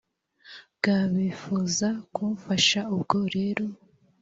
ga bifuza kumfasha ubwo rero